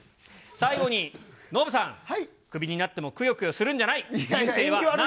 最後に、ノブさん、クビになってもくよくよするんじゃない。